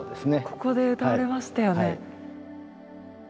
ここで歌われましたよね。